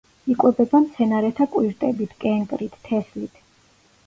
იკვებება მცენარეთა კვირტებით, კენკრით, თესლით.